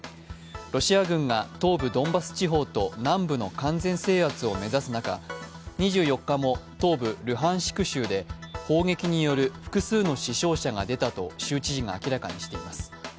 ロシア軍が東部ドンバス地方と南部の完全制圧を目指す中、２４日も東部ルハンシク州で砲撃による複数の死傷者が出たと州知事が明らかにしています。